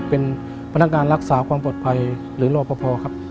เป็นพนักงานรักษาความปลอดภัยหรือรอปภครับ